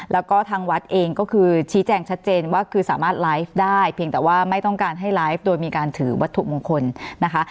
แล้วก็ทางวัดเองก็คือชี้แจงชัดเจนว่าคือสามารถไลฟ์ได้เพียงแต่ว่าไม่ต้องการให้ไลฟ์โดยมีการถือวัตถุมงคลนะคะ